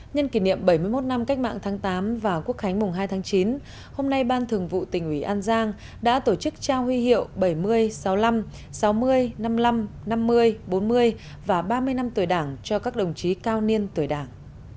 nhân kỷ niệm bảy mươi một năm cách mạng tháng tám và quốc khánh mùng hai tháng chín hôm nay ban thường vụ tỉnh ủy an giang đã tổ chức trao huy hiệu bảy mươi sáu mươi năm sáu mươi năm mươi năm năm mươi bốn mươi và ba mươi năm tuổi đảng cho các đồng chí cao niên tuổi đảng